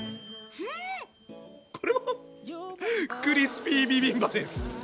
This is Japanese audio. これはクリスピービビンバです！